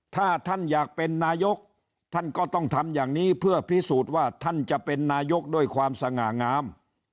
ถ้าท่านอยากเป็นนายกท่านก็ต้องทำอย่างนี้เพื่อพิสูจน์ว่าท่านจะเป็นนายกด้วยความสง่างาม